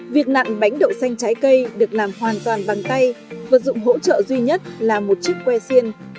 việc nặng bánh đậu xanh trái cây được làm hoàn toàn bằng tay vật dụng hỗ trợ duy nhất là một chiếc que xiên